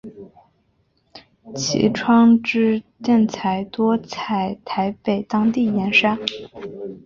其窗之建材多采台北当地砂岩。